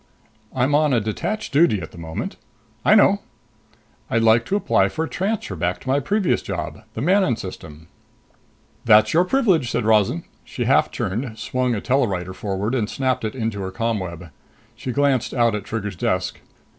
"I'm on detached duty at the moment." "I know." "I'd like to apply for a transfer back to my previous job. The Manon System." "That's your privilege," said Rozan. She half turned, swung a telewriter forward and snapped it into her ComWeb. She glanced out at Trigger's desk.